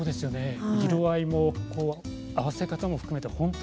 色合いも合わせ方も含めて。